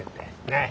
ねえ！